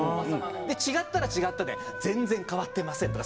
で違ったら違ったで「全然変わってません！」とか